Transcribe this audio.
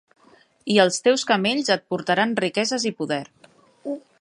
I els teus camells et portaran riqueses i poder.